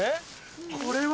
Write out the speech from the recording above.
これは。